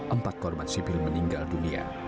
empat korban sipil meninggal dunia